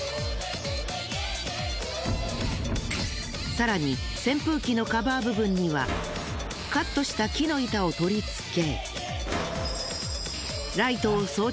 更に扇風機のカバー部分にはカットした木の板を取りつけ。